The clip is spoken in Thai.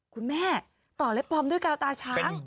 คุณแม่ต่อเล็บปลอมด้วยกาวตาช้าง